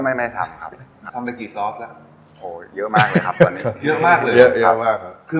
ไม่ซ้ำครับ